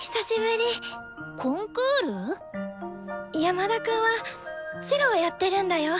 山田くんはチェロやってるんだよ。